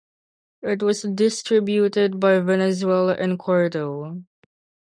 It was distributed by Venezuela en Corto.